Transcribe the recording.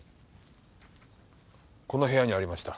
この部屋にありました。